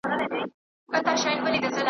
شپو ته مي خوبونه لکه زلفي زولانه راځي .